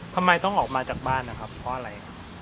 ทำไมต้องออกมาจากบ้านนะครับเพราะอะไร